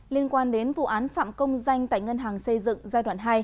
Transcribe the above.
liên quan đến vụ án phạm công danh tại ngân hàng xây dựng giai đoạn hai